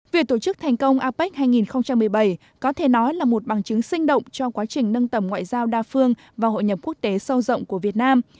việc tổ chức thành công apec hai nghìn một mươi bảy có thể nói là một bằng chứng sinh động cho quá trình nâng tầm ngoại giao đa phương và hội nhập quốc tế sâu rộng của việt nam